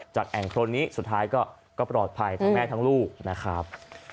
แอ่งโครนนี้สุดท้ายก็ปลอดภัยทั้งแม่ทั้งลูกนะครับ